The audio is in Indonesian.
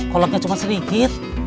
koloknya cuma sedikit